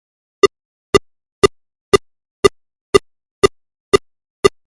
No facis paelles per a desmenjats.